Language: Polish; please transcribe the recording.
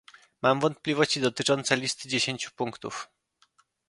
Mam wątpliwości dotyczące listy dziesięciu punktów